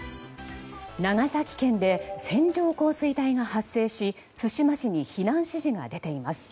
長崎県で線状降水帯が発生し対馬市に避難指示が出ています。